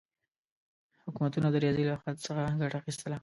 حکومتونه د ریاضي له خط څخه ګټه اخیستله.